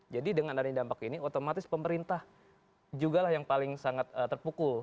jadi dengan dari dampak ini otomatis pemerintah juga yang paling sangat terpukul